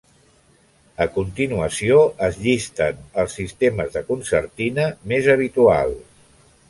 A continuació es llisten els sistemes de concertina més habituals.